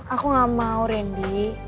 aku gak mau rendy